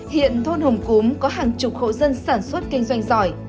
hiện thôn hồng cúm có hàng chục hộ dân sản xuất kinh doanh giỏi